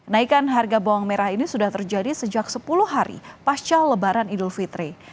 naikan harga bawang merah ini sudah terjadi sejak sepuluh hari pasca lebaran idul fitri